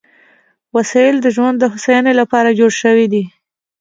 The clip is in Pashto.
وسایل د ژوند د هوساینې لپاره جوړ شوي دي.